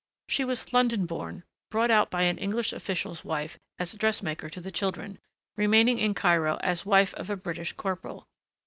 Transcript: She was London born, brought out by an English official's wife as dressmaker to the children, remaining in Cairo as wife of a British corporal.